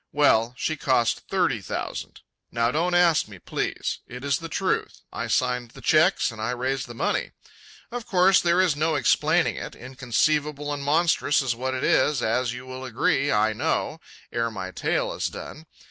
Well, she cost thirty thousand. Now don't ask me, please. It is the truth. I signed the cheques and I raised the money. Of course there is no explaining it, inconceivable and monstrous is what it is, as you will agree, I know, ere my tale is done.